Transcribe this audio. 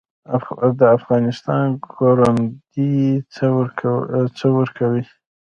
د افغانستان کروندې څه ورکوي؟